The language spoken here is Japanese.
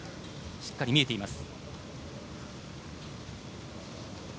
しっかり見えています。